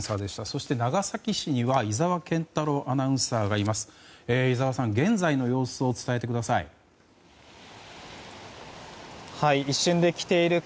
そして、長崎市には井澤健太朗アナウンサーです。